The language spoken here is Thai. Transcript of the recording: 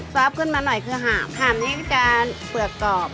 สวัสดิ์ขึ้นมาหน่อยคือหาหมหาหมนี่ก็จะเปลือกกรอบ